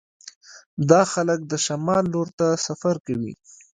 دا خلک د شمال لور ته سفر کوي